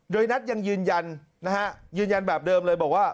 โดยนัทยังยืนยันนะฮะยืนยันแบบเดิมเลยบอกว่า